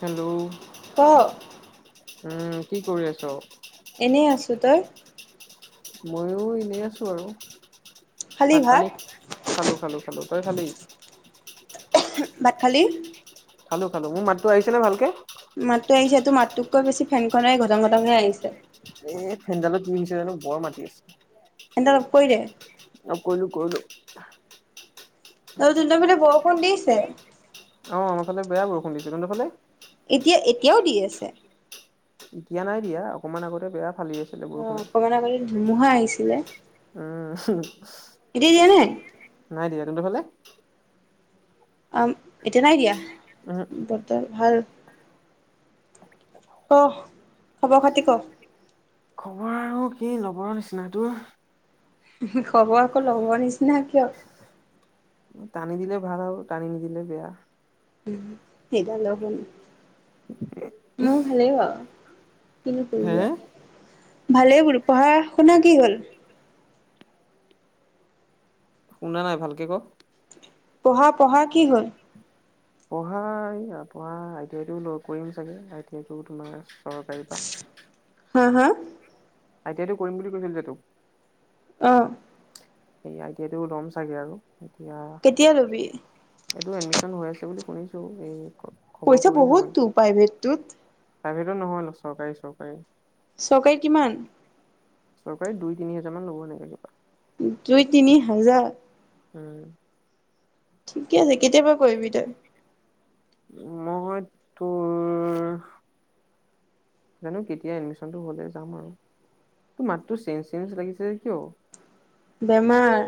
Hello ক উম কি কৰি আছ তো ত ই ময়ো এনেই আছো আৰু ভাত পানী খালো খালো খালো তই খালি ভাত খালী খালো খালো মোৰ মাতো আহিছে নে ভালকে মাতটো আহিছে তটো মাতটোককৈ বেছি ফেন খনে ঘটং ঘটংকে আহিছে। এই ফেনডালো কি হৈছে জানো বৰ মাত দি আছে ফেনডাল অফ কৰি দে অ কৰিলো কৰিলো আৰু ত ত মানে বৰষুণ দিছে [unintelligible] অ আমাৰ ফালে বেয়া বৰষুণ দিছে তহতৰ ফালে [unintelligible] এতিয়া এতিয়াও দি আছে এতিয়া নাই দিয়া অকমান আগতে বেয়া ফালি আছিলে বৰষুনে ধমুহা আহিছিলে উম এতিয়া দিয়া নাই নাই দিয়া তুমাৰ ফালে আ এতিয়া নাই দিয়া উহু ব্তৰ ভাল কহ খবৰ খাতি ক খবৰ আৰু কি ল'বৰ নিচিনা তোৰ খবৰ আকৌ লবৰ নিচিনা কিয় টানি [unintelligible] দিলে ভাল আৰু টানি নিদিলে বেয়া উ সেইডাল লগ শুনি মোৰ ভালেই বাৰু [unintelligible] হে হে ভালেই বোলো পঢ়া শুনা কি হল শুনা নাই ভালকে ক পঢ়া পঢ়া কি হ'ল পঢ়া এই পঢ়া আই টি আই ও ল কৰিম চাগে আই টি আই টোও তোমাৰ [unintelligible] অঁ পাৰিবা হা হা আই টি আইটো কৰিম বুলি কৈছিল যে তোক [unintelligible] অঁ স আই তি য়াই টোও ল'ম চাগে আৰু [unintelligible] কেতিয়া ৰবি [unintelligible] এইটো এডমিচন হৈ আছে বুলি শুনিছো এই খবৰ পইচা বহুতটো প্ৰাইভেটটোত প্ৰাইভেতটো নহয় চৰকাৰী চৰকাৰী চৰকাৰী কিমান চৰকাৰে দুই তিনি হাজাৰ মান ল'ব তেনেকে কিবা দুই তিনি হাজাৰ উম ঠিকে আছে কেতিয়াবা কৰিবি তই মই তোৰ জানো কেতিয়া এডমিচনটো হলে যাম আৰু ত মাত্ৰটো চেঞজ চেঞজ লাগিছে যে কিয়। বেমাৰ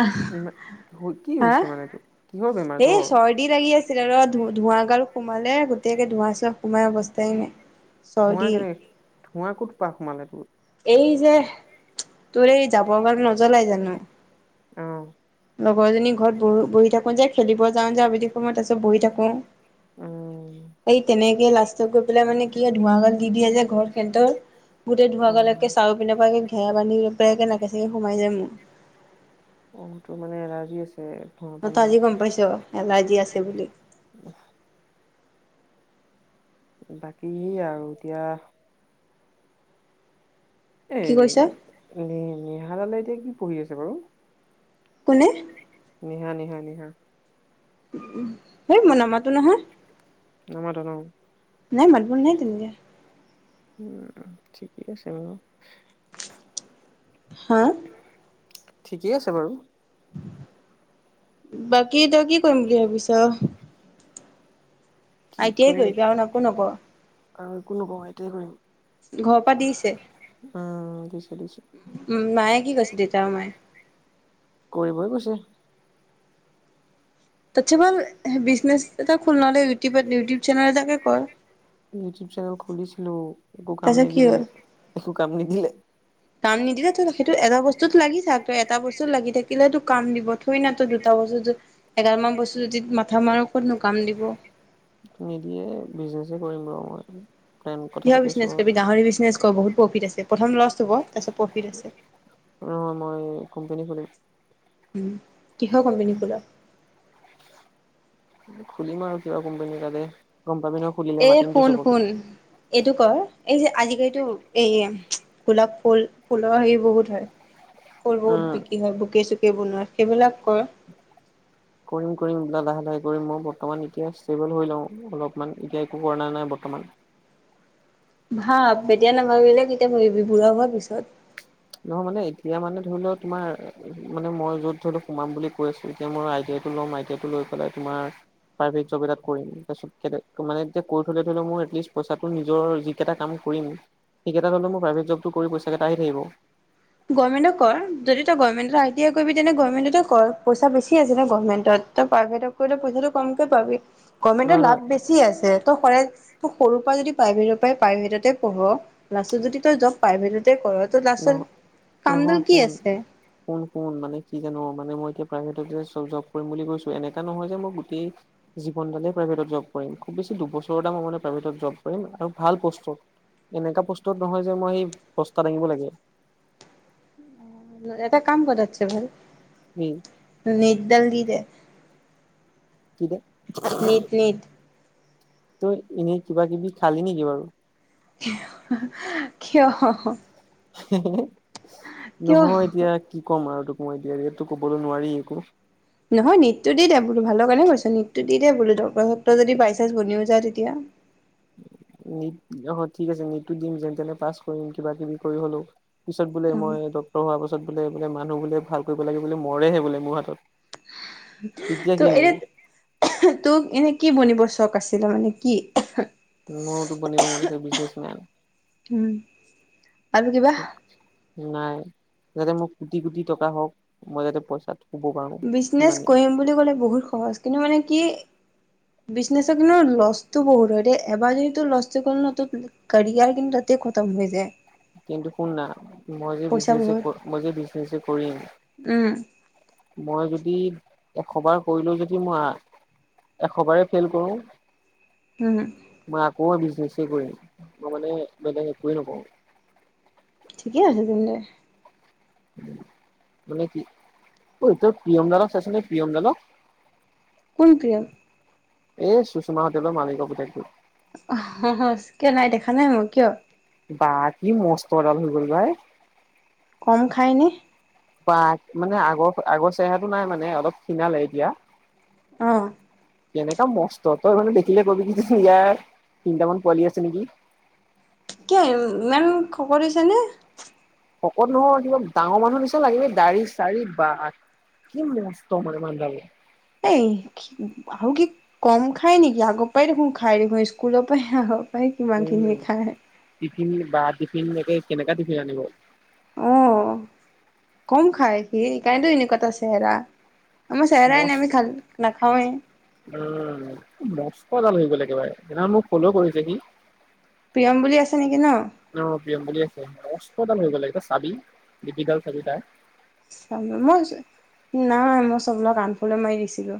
আহ কি হা হৈছে মানে তোৰ কিহৰ বেমাৰ এ জ্বৰ চৰ্দি লাগি আছিল ৰ ধোৱা। সোমালে গোটাকে ধোঁৱা চোৱা সোমাই অৱস্থাই নাই। ধোৱা চৰ্দি, কেনেকে ধূৱা কত পা সোমালে তোৰ। এই যে তোৰ এই যাবৰ কাৰণে নজ্বলাই জানো। আহ। লগৰজনী ঘৰত বহি বহি থাকোঁ যে খেলিব যাওঁ যে আবেলি সময়ত তাৰপিছত বহি থাকোঁ। উম এই তেনেকে লাষ্টত গৈ পেলাই মানে কি ধোৱা গাত দি দিয়ে যে ঘৰ সেহতৰ গোটেই ধোঁৱা অ'। গলৈকে চাউ পিন্ পৰা আহি ঘেৰা বান্ধি পেলাই একে নাকে চাগে সোমাই যায় মোৰ অ তো মানে এলাৰ্জি আছিল। মই তো আজি গম পাইছ এলাৰ্জি আছে বুলি বাকী আৰু এতিয়া। এ কি কৈছা? নি নিহালালে এতিয়া কি পঢ়ি আছে বাৰু কোনে নিহা নিহা নিহা হেই মই নামাটো নহয়। [unintelligible] নাই মাত বুল নাই তেনেকে উম ঠিকেই আছে বাৰু হা ঠিকেই আছে বাৰু বাকী তই কি কৰিম বুলি ভাবিছ। কি আই টিয়াই কৰিম কৰিবা আন একো নকৰ আৰু একো নকৰোঁ আই টি য়াই কৰিম। ঘৰৰ পৰা দিছে উম, দিছে দিছে উ মায়ে কি কৈছে দেউতা আৰু মায়ে। কৰিবই কৈছে [unintelligible] বিজনেচ এটা খো নহ'লে ইউটিউব ইউটিউব চেনেল এটাকে কৰ। ইউটিউব চেনেল খুলিছিলো একো কাম তাৰপিছত কি নিদিলে হ'ল? একো কাম নিদিলে। কাম নিদিলে তো সেইটো এটা বস্তুত লাগি থাক তই এটা বস্তু লাগি থাকিলে তো কাম দিব ঠোৱে না তো দুটা বস্তু এগাল মান বস্তু যদি মাথা মাৰ কত নু কাম দিব। নিদিয়ে বিজনেছে কৰিম বাৰু মই প্লেন কথা কিহ পাতি আছো বিজনেছ ৰ কৰিবি গাহৰি বিজনেছ কৰ বহুত প্ৰফিট আছে প্ৰথম লষ্ট হব। তাৰপিছত প্ৰফিট আছে। নহয় মই কোম্পানী খুলিম। উ কিহৰ কোম্পানী খোলা। খুলিম আৰু কিবা কোম্পানী তাকে এ শুন শুন এইটো কৰ এই যে আজি কালিতো এই গোলাপ ফুল ফুলৰ হেৰি বহুত হয়। ফুল বহুত উম, বিক্ৰী হয় বোকে চকে বনোৱা সেইবিলাক কৰে কৰিম কৰিম বা লাহে লাহে কৰিম মই বৰ্তমান এতিয়া ষ্টেবল হৈ লওঁ অলপমান এতিয়া একো কৰা ন নাই। বৰ্তমান ভাব এতিয়া নাভাবিলে কেতিয়া ভাবিবি বুঢ়া হোৱাৰ পিছত নহয় মানে এতিয়া মানে ধৰি ল তোমাৰ মানে মই য'ত ধৰিলও সোমাম বুলি কৈ আছো এতিয়া মোৰ আইডিয়া। টো ল'ম আইডিয়াতটো লৈ পেলাই তোমাৰ। প্ৰাইভেট জব এটাত কৰিম তাছত মানে এতিয়া কৰি থলে থলেও মোৰ এটলিষ্ট পইচাটো নিজৰ যি কেইটা কাম কৰিম সেইকেইটা হলে মোৰ প্ৰাইভেট জবটো কৰি পইচচা কেইটা আহি থাকিব। গভমেণ্ট কৰ যদি তই গভমেণ্টত আইটি আই কৰিবি তেনে গৰ্মেণ্টতে কৰ পইচা বেছি আছে ন গভমেণ্টত। তই প্ৰাইভেটক কৰিলে পইচাটো কমকে পাবি গভৰ্মেণ্টৰ নহয় নহয় লাভ বেছি আছে। ত কৰে তোক সৰুৰ পৰা যদি প্ৰাইভেটৰ পৰাই প্ৰাইভেটতে পঢ় লাষ্টত যদি তই জব প্ৰাইভেটতে কৰ ত নহ লাষ্টত কামডাল নহয় কি শুন আছে শুন মানে কি জানো মানে মই। প্ৰাইভেট জব কৰিম বুলি কৈছো এনেকা নহয় যে মই গোটেই জীৱন ডালে প্ৰাইভেটত জব কৰিম। খুব বেছি দুবছৰ মই মানে প্ৰাইভেটত জব কৰিম আৰু ভাল পষ্টত। এনেকুৱা পষ্টত নহয় যে মই সেই বস্তা দাঙিব লাগে। এটা কাম কৰ তাটছে ভাল নিত ডাল দিদে। কি দে? নিট নিট ত' এনেই কিবা কিবি খালি নেকি বাৰু কিয়। কিয় নহয় এতিয়া কি ক'ম আৰু টোক। সোমাই দিয়া এইটো ক'বলৈ নোৱাৰি একো। নহয় নীটটো দি দে বোলো ভালৰ কাৰণে কৈছ নিটটো দি দিয় দে বোলো দৰ্ক যদি বাইচাস বনিও যায় তে এতিয়া। নট অ ঠিক আছে নীটটো দিম যেন তেনে পাছ কৰিম কিবা কিবি কৰি হ'লেও। পিছত বোলে মই ডক্টৰ হোৱাৰ পাছত বোলে। বোলে মানুহ বোলে ভাল কৰিব লাগে বো মৰেহে বোলে মোৰ হাতত। তেতিয়া ত কি হ'ব এনে তোক এনে কি বনিবচ চখ আছিলে মানে কি? মোৰোটো বনিব মন গৈছে বিজনেচমেন। উম আৰু কিবা নাই। যাতে মোক কোটি কোটি টকা হওক মই যাতে পইচা। বিজনেচ কৰিম বুলি ক'লে বহুত সহজ কিন্তু মানে কি? [unintelligible] বিজনেচত কিন্তু লছটো বহুত হয় দেই এবাৰ যদি তোৰ লষ্ট হৈ গল ন কাৰীয়াৰ কিন্তু তাতে খটম। আম যে [inaudible] কিন্তু শুন না মই যদি বিজনেচ বহুত মই যদি বিজনেচ কৰিম উম মই যদি এশবাৰ কৰিলো যদি মই। এশবাৰে ফেইল কৰোঁ। উম। আকো বিজনেছে কৰিম মই মানে বেলেগ একোৱে নকওঁ। ঠিকে আছে তেন্তে উম। মানে কি ত প্ৰিয়ম দালক চ চাইছনে প্ৰিয়ম দালক। কোন প্ৰিয়ম। এই চুচনা হোটেলৰ মালিক পুতেক টো। কেনাই নাই দেখা নাই মই কিয়। বা কি মস্ত দাল হৈ গল ভাই। কম খায়নে। বা মানে আগৰ আগৰ চেহৰাটো নাই মানে অলপ খিণালে এতিয়া। অহ। কেনেকা মস্ত তই মানে দেখিলে কবি কি ইয়াৰ তিনটামান পোৱালি আছে নেকি? কি ইমান শকত হৈছে নে? শকত নহয় কিবা ডাঙৰ মানুহ নিচনা লাগিলে বে দাৰি চাৰি বা। কি মস্ত মানে মানুহ দাল। এই আহ কি কম খাই নেকি আগৰ পৰাই দেখোন খাই দেখোন স্কুলৰ পৰাই আহক। পায় কিমান খিনিয়ে খাই। টিফিনে কেনেকা টিফিন আনিব। আহ কম খায় সি সেই কাৰণে এনেকুৱা তাৰ চেহেৰা। আমাৰ চেহৰাই নাই মস্ত আমি খাল নাখাওঁৱে। ফল্লোৱ কৰিব লাগে ভাই সেইদিনা ফলোঁৱ কৰিছে মোক সি প্ৰিয়ম বুলি আছে নেকি ন প্ৰিয়মবুলি আছে ম অষ্টডাল হৈ লাগে এটা চাবি দিপীডাল থাকে তাৰ চ মই নাই মই চবক আনফল্লো মাৰি দিছিলো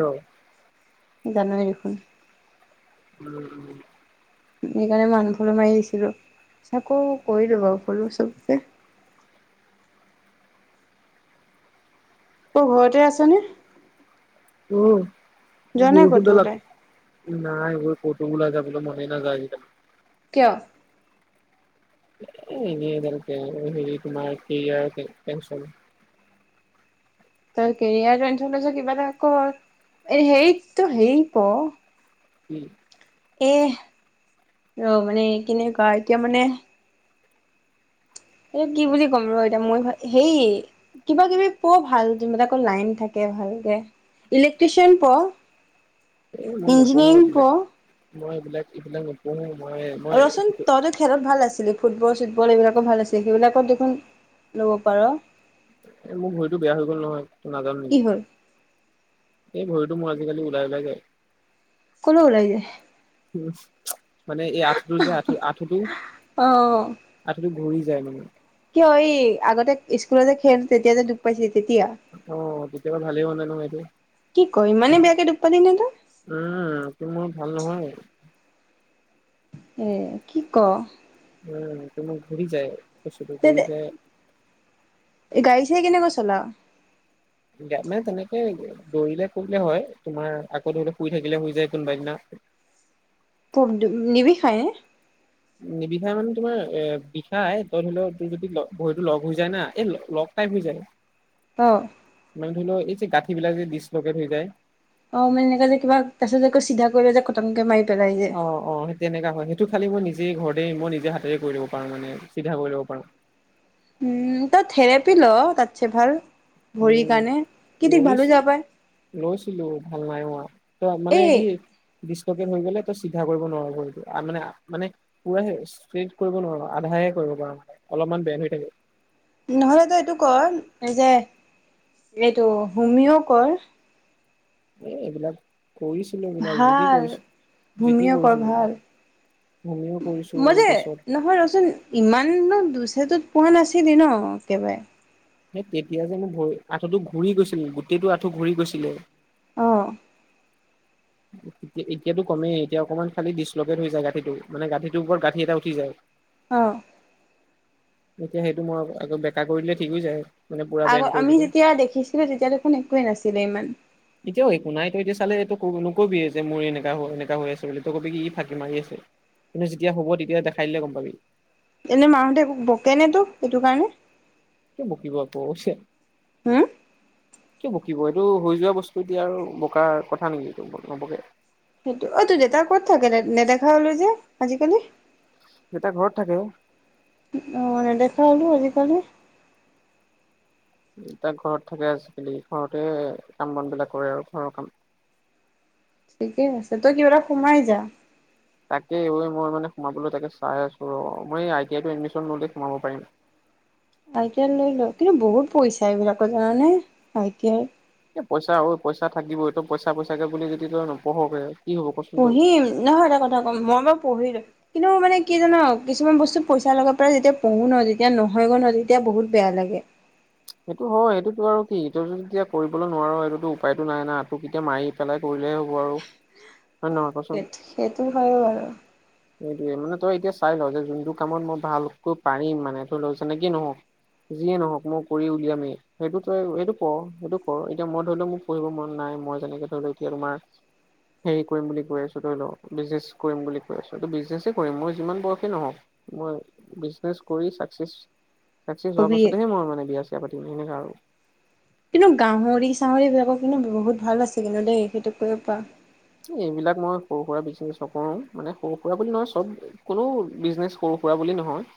অ জনোৱে দেখোন উম উম সেইকাৰণে মই উনফল্লোৱ মাৰি দিছিলো আকো কৰি দিব ফল্লো কৰি দিব চবে [unintelligible] [unintelligible] ত ঘৰতে আছনে উম যোৱা নাই কটো বৰষুণডালত ওলাই নাই কতো ওলাই যাবলৈ মনে নাযায় কিয় [unintelligible] [unintelligible] এনে এইডাল হেৰি তোমাৰ কেৰিয়াৰ টেনছন তই কেৰিয়াৰ টেনছন হৈছে কিবা এটা কৰ এ সেৰি কৰ উম এ ৰ মানে কেনেকোৱা এতিয়া মানে এই কি বুলি ক'ম ৰ এতিয়া মই হেই কিবা কিবি পোৱা ভাল জোনবিলাকৰ আকৌ লাইন থাকে ভালকে ইলেক্ট্ৰিচিয়ান পঢ় এ মই নপঢ়ো এইবিলাক মই এইবিলাক এইবিলাক নপঢ়ো মই মই ৰচন তই তো খেলত ভাল আছিলি ফুটবল চুটবল এইবিলাকো ভাল আছিল সেইবিলাকত দেখোন ল'ব পাৰ এ মোৰ ভৰিটো বেয়া হৈ গ'ল নহয় তই নাজান কি নেকি হ'ল এই ভৰিটো মোৰ আজিকালি ওলাই ওলাই যায় কলৈ ওলাই যায় উ মানে এই আঁঠুটো যে আঠু আঠুটো অ আঁঠুটো উৰি যায় মানে অই আগতে স্কুল যে খেল তেতিয়া যে দুখ পাইছিলি তেতিয়া আহ তেতিয়াপা ভালেই হোৱা নাই নহয় সেটো কি কয় ইমানে বেয়াকে দুখ পালি নে তই উম কি মোৰ ভাল নহয় এ কি ক উম সেইটো মোৰ ঘূৰি যায় বস্তুটো ঘূৰি যায় এই গাড়ী চাড়ী কেনেকৈ চলাৱ মানে তেনেকে দৌৰিলে কৰিলে হয় তোমাৰ আকৌ ধৰিলোৱা শুই থাকিলে হৈ যায় কোনোবা দিনা [unintelligible] [unintelligible] থব নিবিষাই নে নিবিষাই মানে তোমাৰ এ বিষাই ত ধৰি লও তোৰ যদি ভৰিতো লগ হৈ যায় না এই লগ টাই হৈ যায় অ মে ধৰি লও এই যে গাঁঠি বিলাক যে ডচ লকেট হৈ যায় অ মানে এনেকা যে কিবা তাৰপিছত যে চিধা কৰিলে যে খটংকে মাৰি পেলাই যে অ অ সেই তেনেকা হয় সেইটো খালি মই নিজে ঘৰতে মই নিজে হাতেৰে কৰি ল'ব পাৰো মানে চিধা কৰি ল'ব পাৰো উম ত থেৰাপি ল তাত চে ভাল ভৰিৰ উম। কাৰণে কি থিক ভালো লৰিছো হৈ যাব পাৰে লৈছিলো ভাল নাই হোৱা ত মানে এই কি ডিচটকেজ হৈ গলে ত চিধা কৰিব নোৱাৰ ভৰিটো এই মানে মানে পুৰা ষ্ট্ৰেট কৰিব নোৱাৰ আধা কৰিব পাৰ মানে অলপমান বেণ্ড হৈ থাকে নহ'লে তই এইটো কৰ এই যে এইটো হোমিও কৰ এ এইবিলাক কৰিছিলো এইবিলাক যিতি ভাল কৰিছো যিতি হোমিঅ' কৰ কৰিছিলো ভাল হোমিও কৰিছো মই যে তাৰপিছত নহয় ৰচোন ইমানো দুছেটো পোৱা নাছিলি ন একেবাৰে সেই তেতিয়া যে মোৰ আঁঠুটো ঘূৰি গৈছিল গোটেইটো আঁঠু ঘূৰি গৈছিলে আহ উ [inaudible] এ এতিয়াতো কমেই এতিয়া অকনমান খালি ডিছলকেট হৈ যায় গাঁঠিটো মানে গাঁঠিটো ওপৰত গাঁঠি এটা উঠি যায় অ এতিয়া সেইটো মই আকৌ বেকা কৰি দিলে ঠিক হৈ যায় মানে পুৰা আগ বেণ্ড কৰি আমি দিলে। যেতিয়া দেখিছিলো তেতিয়া দেখোন একোৱেই নাছিলো ইমান এতিয়াও একো নাই ত এতিয়া চালে এইটো নকবিয়ে যে মোৰ এনেকা এনেকা হৈ আছে বোলি তই কবি কি ই ফাঁকি মাৰি আছে কিন্তু যেতিয়া হ'ব তেতিয়া দেখাই দিলে গম পাবি এনে মাহতে এক বকে নে তোক সেইটো কাৰণে কি বুজিছা পৌঁছ হম কিয় বকিব এইটো হৈ যোৱা বস্তু এতিয়া আৰু বকা কথা নেকি এইটো নবকে সেইটো অ তোৰ দেউতা ক'ত থাকে নেদেখা হলো যে আজিকালি দেউতা ঘৰত থাকে অ নেদেখা হলো আজিকালি তাক ঘৰত থাকে আজিকালি ঘৰতে কাম বন বিলাক কৰে আৰু ঘৰৰ কাম ঠিকেই আছে তই কিবা এটা সোমাই যা [unintelligible] তাকে মই মানে সোমাবলৈ তাকে চাই আছো অ মই আই টি আই এডমিচন ললে সোমাব পাৰিম [unintelligible] [inaudible] আই টি আই লৈ ল কিন্তু বহুত পইচা এইবিলাকত জানানে আই টি এ [unintelligible] এ পইচা আৰু পইচা থাকিবই টো পইচা পইচাকে বুলি যদি তই নপঢ়কে [unintelligible] তই। পঢ়িম নহয় এটা কথা ক'ম মই বাৰু পঢ়িম কিন্তু মানে কি জান কিছুমান বস্তু পইচা লগাৰ পৰা যেতিয়া পঢ়ো নহ যেতিয়া নহয় গ' নহয় তেতিয়া বহুত বেয়া লাগে [unintelligible] [inaudible] সেইটো হয় সেইটোতটো আৰু কি এইটো যেতিয়া কৰিবলৈ নোৱাৰো সেইটোতো উপায়টো নাই না তোক কে এতিয়া মাৰি পেলাই কৰি [unintelligible] ভালেই হ'ব আৰু হয় নহয় কচোন? সেই সেইটো হয় বাৰু সেইটোৱে মানে তই এতিয়া চাই ল যে যোনটো কামত মই ভালকৈ পাৰিম মানে ত ল যেনেকিয় নহওক [unintelligible] যিয়ে নহক মই কৰি উলিয়ামেই সেইটো তই সেইটো ক সেইটো কৰ এতিয়া মই ধৰি লও মোক পঢ়িব মন নাই [unintelligible] মই যেনেকে তোমাৰ হেৰি কৰিম বুলি কৈ আছো ধৰি ল বিজনেছ কৰিম বুলি [unintelligible] বিজনেছ কৰিম মই যিমান বয়সে নহওক মই বিজনেছ কৰি চাকছেচ [unintelligible] চাকচেছ হোৱাৰ হবিয়ে। পাছতেহে মই মানে বিয়া চিয়া পাতিম সেনেকা আৰু [unintelligible] কিন্তু গাহৰি চাহৰিবিলাকৰ কিন্তু বহুত ভাল আছে কিন্তু দেই সেইটো কৈব পা [unintelligible] এইবিলাক মই সৰু সুৰা বিজনেছ নকৰো মানে সৰু সুৰা বুলি নহয় চব কোনো বিজনেচ সৰু ৰা বুলি নহয়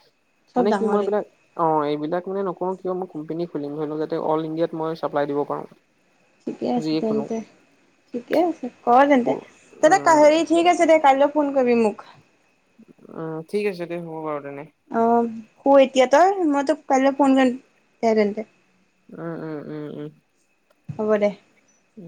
চব মানে কি মই ডাঙৰে এই বিলাক অ এইবিলাক মানে ন [unintelligible] ক কোম্পেনী খুলিম ধৰি লও যাতে অল ইণ্ডিয়াত মই চাপ্লাই দিব পাৰো [unintelligible] ঠিকে আছে তেন্তে ঠিকে আছে ক অঁ তন্ত উম কাহৰি আছে দে কাইলৈ ফোন কৰিবি মোক অ ঠিক আছে দে হ'ব বাৰু তেনে অ শু এতিয়া তই মই তোক কাইলৈ ফোন কৰি দে তেন্তে উম উম উম উম হ'ব দে ও